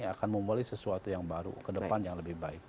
akan memulai sesuatu yang baru ke depan yang lebih baik